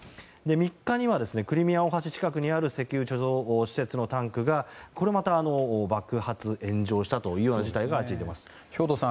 ３日にはクリミア大橋近くにある石油貯蔵施設のタンクが爆発、炎上したという事態が兵頭さん